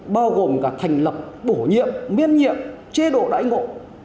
bao gồm cả thành lập bổ nhiệm miễn nhiệm chế độ đại ngộ